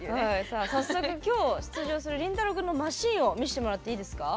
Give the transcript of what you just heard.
さあ早速今日出場するリンタロウ君のマシーンを見してもらっていいですか？